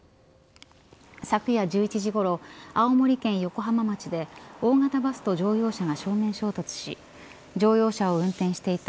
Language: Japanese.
昨夜１１時ごろ青森県横浜町で大型バスと乗用車が正面衝突し乗用車を運転していた